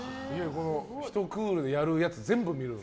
１クールやるやつ全部見る。